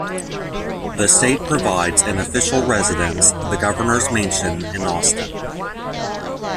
The State provides an official residence, the Governor's Mansion in Austin.